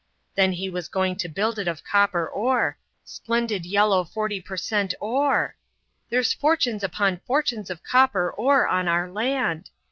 Then he was going to build it of copper ore splendid yellow forty per cent. ore! There's fortunes upon fortunes of copper ore on our land!